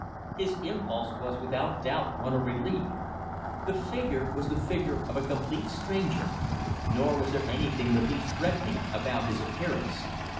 His impulse was, without doubt, one of relief. The figure was the figure of a complete stranger. Nor was there anything the least threatening about his appearance.